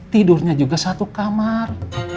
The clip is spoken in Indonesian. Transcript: tidurnya juga satu kamar